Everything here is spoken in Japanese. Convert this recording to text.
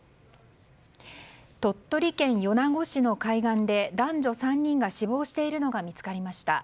鳥取県米子市の海岸で男女３人が死亡しているのが見つかりました。